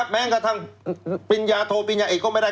แม้กระทั่งปริญญาโทปิญญาเอกก็ไม่ได้